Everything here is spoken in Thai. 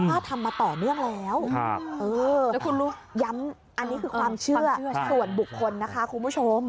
ทำมาต่อเนื่องแล้วแล้วคุณลูกย้ำอันนี้คือความเชื่อส่วนบุคคลนะคะคุณผู้ชม